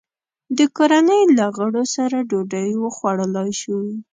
د کورنۍ له غړو سره ډوډۍ وخوړلای شو.